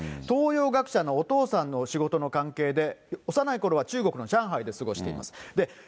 東洋学者のお父さんのお仕事の関係で、幼いころは中国の上海で過ごしています。